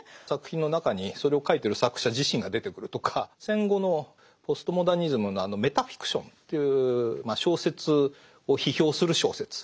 作品の中にそれを書いてる作者自身が出てくるとか戦後のポストモダニズムのあのメタフィクションという小説を批評する小説